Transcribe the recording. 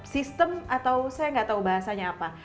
sistem atau saya nggak tahu bahasanya apa